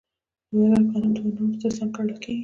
د وردګو غنم د مڼو ترڅنګ کرل کیږي.